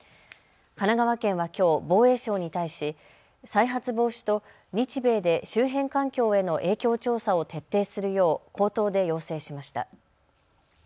神奈川県はきょう防衛省に対し再発防止と日米で周辺環境への影響調査を徹底するよう口頭で要請しました。